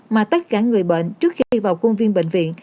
mà tất cả người bệnh trước khi vào khuôn viên bệnh viện